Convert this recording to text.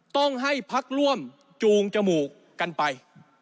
ต้องให้พักร่วมจูงจมูกกันไป